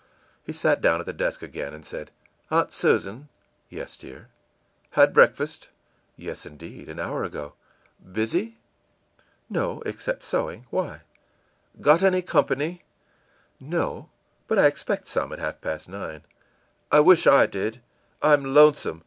î He sat down at the desk again, and said, ìAunt Susan!î ìYes, dear.î ìHad breakfast?î ìYes, indeed, an hour ago.î ìBusy?î ìNo except sewing. Why?î ìGot any company?î ìNo, but I expect some at half past nine.î ìI wish I did. I'm lonesome.